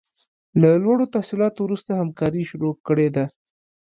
له لوړو تحصیلاتو وروسته همکاري شروع کړې ده.